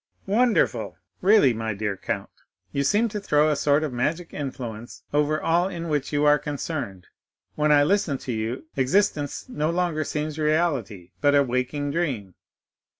"Wonderful! Really, my dear count, you seem to throw a sort of magic influence over all in which you are concerned; when I listen to you, existence no longer seems reality, but a waking dream.